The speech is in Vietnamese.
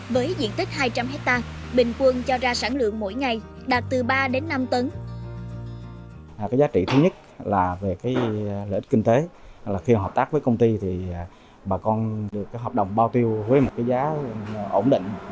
với diện tích hai trăm linh hectare bình quân cho ra sản lượng mỗi ngày đạt từ ba đến năm tấn